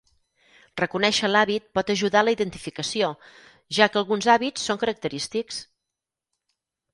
Reconèixer l'hàbit pot ajudar a la identificació, ja que alguns hàbits són característics.